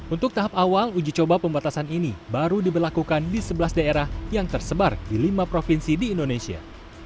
untuk tahap awal uji coba pembatasan ini baru diberlakukan di sebelas daerah yang tersebar di lima provinsi di indonesia